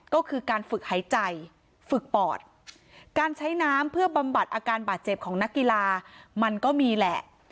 ก็คือการฝึกหายใจฝึกปอดการใช้น้ำเพื่อบำบัดอาการบาดเจ็บของนักกีฬามันก็มีแหละ